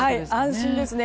安心ですね。